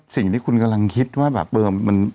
สิ่งที่คุณกำลังคิดว่าแบบเออมัน